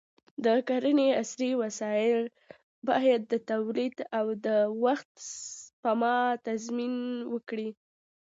د کرنې عصري وسایل باید د تولید او د وخت سپما تضمین وکړي.